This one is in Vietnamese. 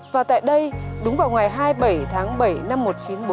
và tại đây đúng vào ngày hai mươi bảy tháng bảy năm một nghìn chín trăm bốn mươi